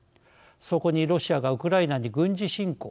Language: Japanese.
そこにロシアがウクライナに軍事侵攻。